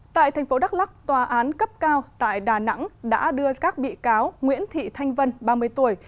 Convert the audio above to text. tại thành phố đắk lắc tòa án cấp cao tại đà nẵng đã đưa các bị cáo nguyễn thị thanh vân ba mươi tuổi